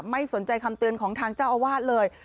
ไม่สนใจคำเตือนของทางเจ้าอาวาสเลย